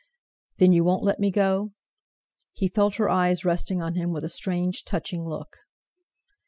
"Then, you won't let me go?" He felt her eyes resting on him with a strange, touching look.